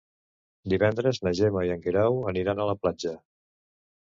Divendres na Gemma i en Guerau aniran a la platja.